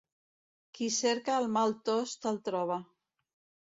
Qui cerca el mal tost el troba.